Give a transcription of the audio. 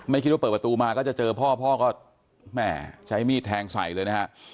คิดว่าเปิดประตูมาก็จะเจอพ่อพ่อก็แม่ใช้มีดแทงใส่เลยนะฮะ